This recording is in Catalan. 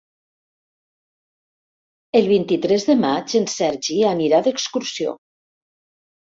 El vint-i-tres de maig en Sergi anirà d'excursió.